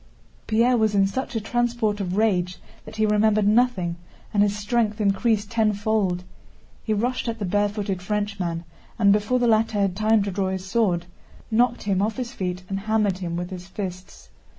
Pierre was in such a transport of rage that he remembered nothing and his strength increased tenfold. He rushed at the barefooted Frenchman and, before the latter had time to draw his sword, knocked him off his feet and hammered him with his fists.